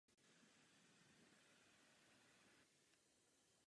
Nachází se zde nevelká umělá vodní nádrž a koryto vádí je lemováno vegetací.